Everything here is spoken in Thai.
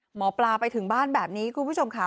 หมอปลาไปถึงบ้านแบบนี้คุณผู้ชมค่ะ